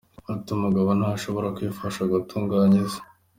Ati," Umugabo ntashobora kwifasha gutunganya isi.